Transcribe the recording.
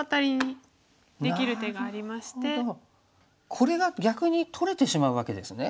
これが逆に取れてしまうわけですね。